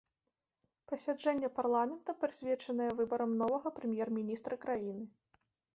Пасяджэнне парламента прысвечанае выбарам новага прэм'ер-міністра краіны.